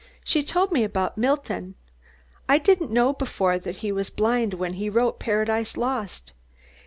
She told me about Milton. I didn't know before that he was blind when he wrote 'Paradise Lost.'